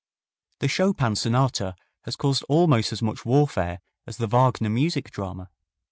The Chopin sonata has caused almost as much warfare as the Wagner music drama.